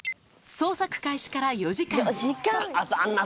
捜索開始から４時間。と。